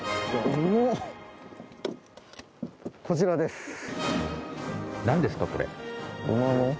こちらです。